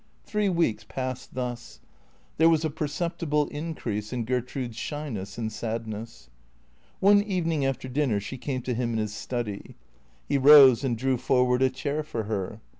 Three weeks passed thus. There was a perceptible increase in Gertrude's shyness and sadness. One evening after dinner she came to him in his study. He rose and drew forward a chair for her.